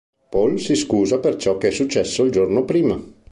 Paul si scusa per ciò che è successo il giorno prima.